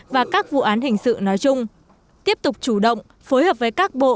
và các vụ án hình sự nói chung tiếp tục chủ động phối hợp với các bộ